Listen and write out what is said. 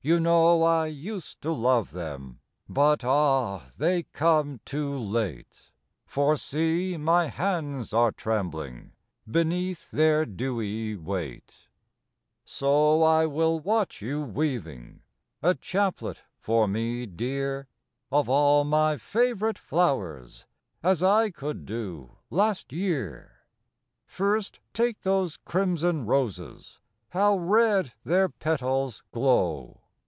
You know I used to love them, But ah ! they come too late, — For see, my hands are trembling Beneath their dewy weight. 128 FROM QUEENS' GARDENS. So I will watch you weaving A chaplet for me, dear, Of all my favorite flowers, As I could do last year. First, take those crimson roses, — How red their petals glow